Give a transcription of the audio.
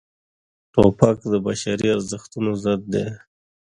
توپک د بشري ارزښتونو ضد دی.